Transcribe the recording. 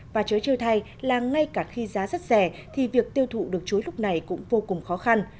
và chớ chơi thay là ngay cả khi giá rất rẻ thì việc tiêu thụ được chuối lúc này cũng vô cùng khó khăn